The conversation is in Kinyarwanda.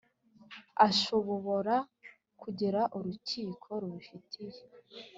Ashobobora kuregera urukiko rubifitiye